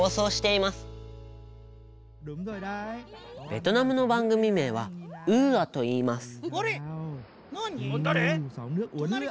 ベトナムのばんぐみめいは「ウーア」といいます。